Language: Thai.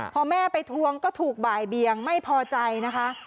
พอแม่ไปทวงก็ถูกบ่ายเบียงไม่พอใจนะคะ